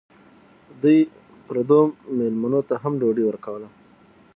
دوی پردو مېلمنو ته هم ډوډۍ ورکوله.